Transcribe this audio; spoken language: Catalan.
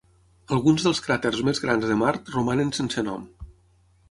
Alguns dels cràters més grans de Mart romanen sense nom.